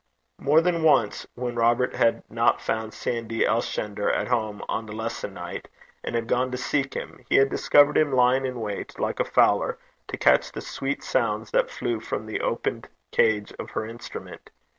More than once, when Robert had not found Sandy Elshender at home on the lesson night, and had gone to seek him, he had discovered him lying in wait, like a fowler, to catch the sweet sounds that flew from the opened cage of her instrument.